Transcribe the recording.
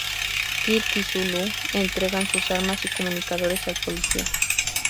Kirk y Sulu entregan sus armas y comunicadores al policía.